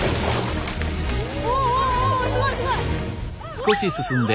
おおおすごいすごい！